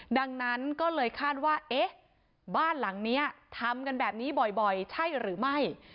ดังนั้นก็เลยคาดว่าเอ๊ะบ้านหลังนี้ทำกันแบบนี้บ่อยใช่หรือไม่